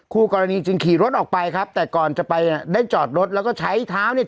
คู่กรณีจึงขี่รถออกไปครับแต่ก่อนจะไปได้จอดรถแล้วก็ใช้เท้าเนี่ย